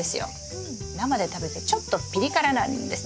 生で食べるとちょっとピリ辛なんですね。